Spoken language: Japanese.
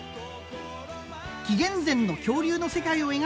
紀元前の恐竜の世界を描いた作品。